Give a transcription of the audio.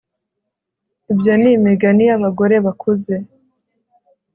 ibyo ni imigani y'abagore bakuze